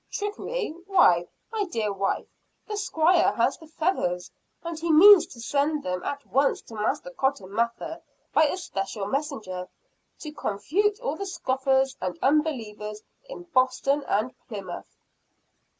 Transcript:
"Trickery? Why, my dear wife, the Squire has the feathers! and he means to send them at once to Master Cotton Mather by a special messenger, to confute all the scoffers and unbelievers in Boston and Plymouth!"